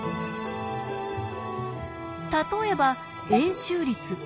例えば円周率π。